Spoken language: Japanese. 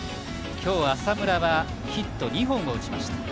今日は浅村ヒット２本を打ちました。